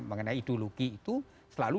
mengenai ideologi itu selalu